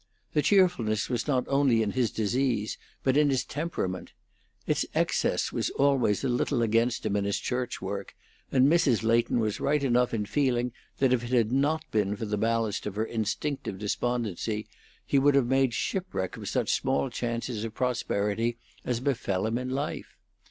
The cheerfulness was not only in his disease, but in his temperament. Its excess was always a little against him in his church work, and Mrs. Leighton was right enough in feeling that if it had not been for the ballast of her instinctive despondency he would have made shipwreck of such small chances of prosperity as befell him in life.